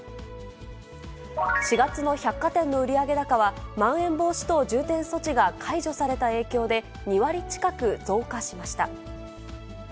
４月の百貨店の売上高は、まん延防止等重点措置が解除された影響で、２割近く増加しました。